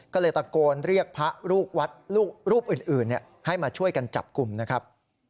ก็เลยตะโกนเรียกพระลูกวัดรูปอื่นให้มาช่วยกันจับกลุ่มนะครับ